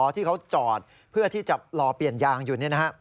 ที่เขาจอดเพื่อที่จะรอเปลี่ยนยางอยู่